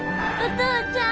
お父ちゃん。